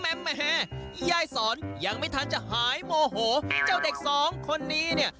แม่ยายสอนยังไม่ทันจะหายโมโหเจ้าเด็กสองคนนี้เนี่ย